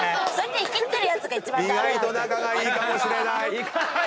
意外と仲がいいかもしれない。